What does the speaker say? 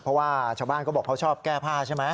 เพราะว่าชาวบ้านเขาบอกเขาชอบแก้ผ้าใช่ไหม